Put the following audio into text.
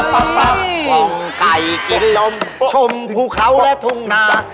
ส่งไก่กินลมชมภูเขาและทุ่งนา